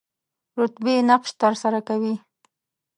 ربطي نقش تر سره کوي.